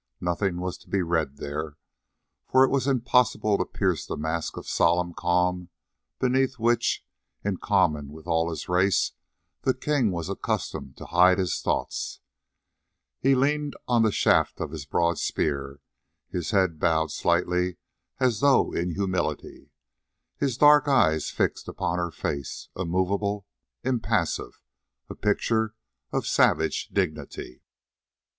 Nothing was to be read there, for it was impossible to pierce the mask of solemn calm beneath which, in common with all his race, the king was accustomed to hide his thoughts. He leant on the shaft of his broad spear, his head bowed slightly as though in humility, his dark eyes fixed upon her face, immovable, impassive, a picture of savage dignity.